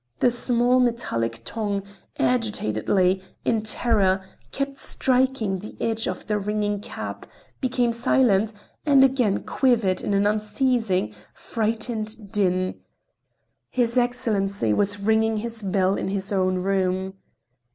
The small, metallic tongue, agitatedly, in terror, kept striking the edge of the ringing cap, became silent—and again quivered in an unceasing, frightened din. His Excellency was ringing his bell in his own room.